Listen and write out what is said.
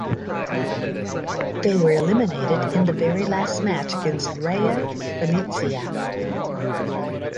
They were eliminated in the very last match against Reyer Venezia.